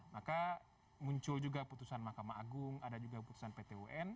maka muncul juga putusan mahkamah agung ada juga putusan pt un